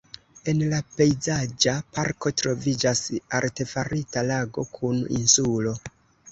En la pejzaĝa parko troviĝas artefarita lago kun insulo.